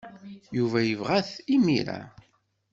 Yuba yebɣa-t imir-a.